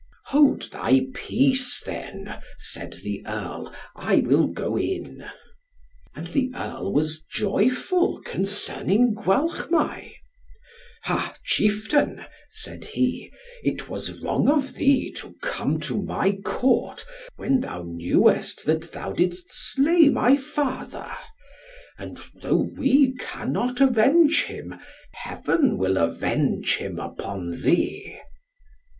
"Hold thy peace, then," said the earl, "I will go in." And the earl was joyful concerning Gwalchmai. "Ha! chieftain," said he, "it was wrong of thee to come to my Court, when thou knewest that thou didst slay my father; and though we cannot avenge him, Heaven will avenge him upon thee."